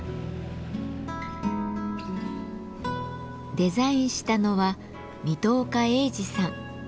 デザインしたのは水戸岡鋭治さん。